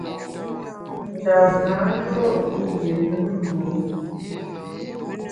Ndam na lo’ lié lùm mo’.